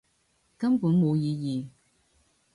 根本冇意義